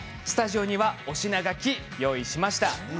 スタジオには推し名書きを用意しました。